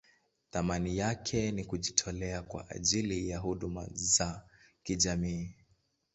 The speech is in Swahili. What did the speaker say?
Thamani yake ni kujitolea kwa ajili ya huduma za kijamii.